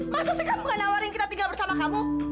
masa sih kamu gak nawarin kita tinggal bersama kamu